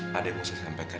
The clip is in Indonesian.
ga ada yang perlu dimaafkan